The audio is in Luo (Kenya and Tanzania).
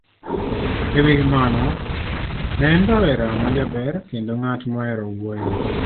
E wi mano, ne en rawera ma jaber kendo ng'at mohero wuoyo